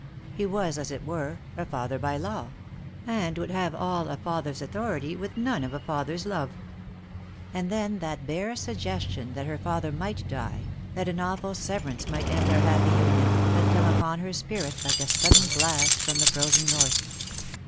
He was, as it were, a father by law — and would have all a father's authority, with none of a father's love. And then that bare suggestion that her father might die, that an awful severance might end their happy union, had come upon her spirit like a sudden blast from the frozen north.